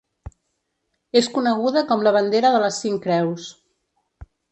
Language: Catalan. És coneguda com la bandera de les cinc creus.